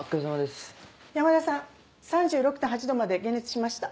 山田さん３６．８℃まで解熱しました。